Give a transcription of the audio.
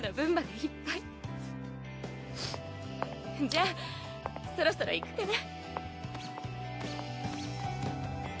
じゃあそろそろ行くかな。